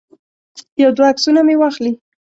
یو دوه عکسونه مې واخلي.